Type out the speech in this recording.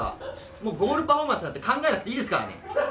もうゴールパフォーマンスなんて、考えなくていいですからね。